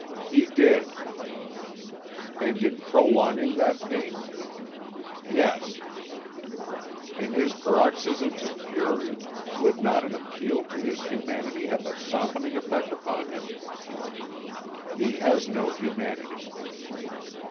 "He did." "And in prolonging that pain?" "Yes." "In his paroxysms of fury would not an appeal to his humanity have a softening effect upon him?" "He has no humanity."